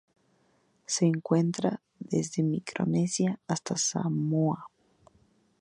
Se encuentra desde Micronesia hasta Samoa.